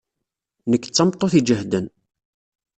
Nekk d tameṭṭut iǧehden.